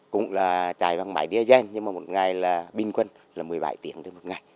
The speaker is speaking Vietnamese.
cũng là chạy bằng máy đĩa giang nhưng mà một ngày là bình quân là một mươi bảy tiếng trong một ngày